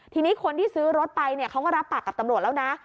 ทีนี้คนที่ซื้อรถไปเนี่ยเขาก็รับปากกับตำรวจแล้วนะ